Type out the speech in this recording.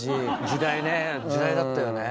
時代ね時代だったよね。